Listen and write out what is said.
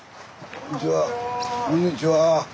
こんにちは。